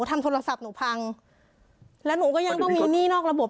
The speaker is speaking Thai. ทำโทรศัพท์หนูพังแล้วหนูก็ยังต้องมีหนี้นอกระบบ